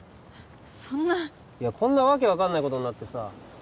そんないやこんな訳分かんないことになってさ